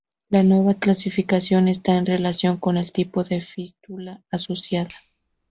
La nueva clasificación está en relación con el tipo de fístula asociada.